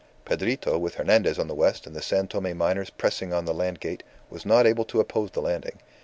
Pedrito, with Hernandez on the west, and the San Tome miners pressing on the land gate, was not able to oppose the landing.